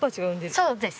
そうです。